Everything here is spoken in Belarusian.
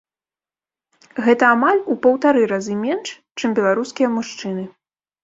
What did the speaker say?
Гэта амаль у паўтара разы менш, чым беларускія мужчыны.